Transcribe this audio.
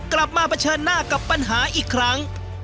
มาเผชิญหน้ากับปัญหาอีกครั้ง